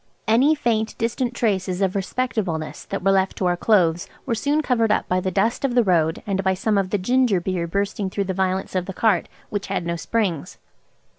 Any faint distant traces of respectableness that were left to our clothes were soon covered up by the dust of the road and by some of the ginger beer bursting through the violence of the cart, which had no springs.